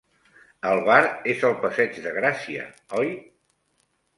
El bar és al Passeig de Gràcia, oi?